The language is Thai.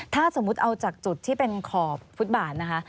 ถ้าสมมุติเอาจากจุดที่เป็นขอบฟุตบาทนะคะ